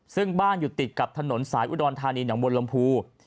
ซึ่งบ้านอยู่ติดกับถนนสายอุดรธานีหนองบนลมภู